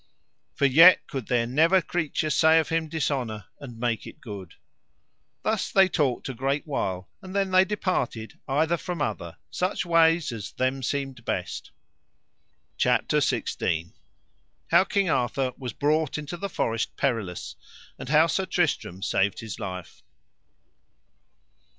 For yet could there never creature say of him dishonour and make it good. Thus they talked a great while, and then they departed either from other such ways as them seemed best. CHAPTER XV. How King Arthur was brought into the Forest Perilous, and how Sir Tristram saved his life.